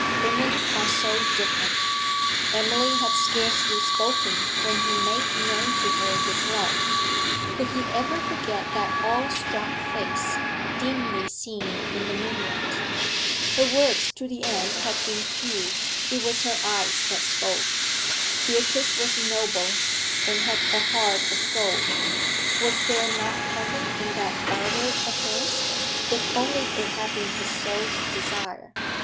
Women are so different! Emily had scarcely spoken when he made known to her his love; could he ever forget that awe struck face, dimly seen in the moonlight? Her words to the end had been few; it was her eyes that spoke. Beatrice was noble, and had a heart of gold; was there not heaven in that ardour of hers, if only it had been his soul's desire?